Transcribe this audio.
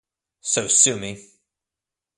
So sue me!